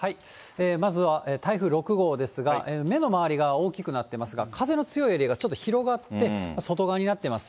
まずは台風６号ですが、目の周りが大きくなってますが、風の強いエリアがちょっと広がって、外側になってます。